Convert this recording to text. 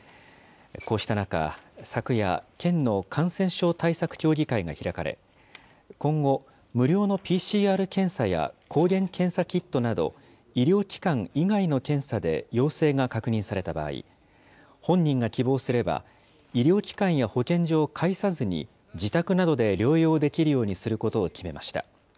こうした中、昨夜、県の感染症対策協議会が開かれ、今後、無料のＰＣＲ検査や抗原検査キットなど、医療機関以外の検査で陽性が確認された場合、本人が希望すれば、医療機関や保健所を介さずに自宅などで療養できるようにすることを決めました。